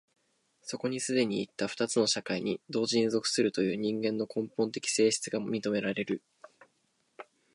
そこに既にいった二つの社会に同時に属するという人間の根本的性質が認められる。